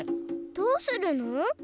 どうするの？